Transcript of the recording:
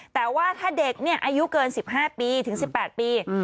แต่ว่าถ้าเด็กอายุเกิน๑๕ปีถึง๑๘ปี